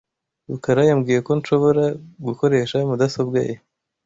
Rukara yambwiye ko nshobora gukoresha mudasobwa ye.